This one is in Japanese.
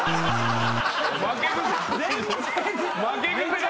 負け癖が。